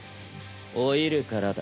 老いるからだ。